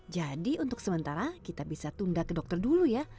jadi untuk sementara kita bisa tunda ke dokter dulu ya